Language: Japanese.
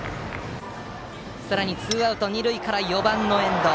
さらにツーアウト、二塁から４番の遠藤。